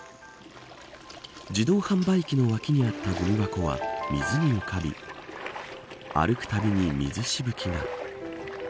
自動販売機の脇にあったごみ箱は水に浮かび歩くたびに水しぶきが。